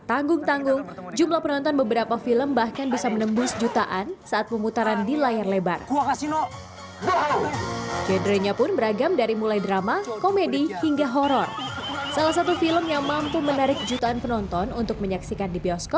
apa yang kamu inginkan